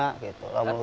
segeri tidak menyenangkan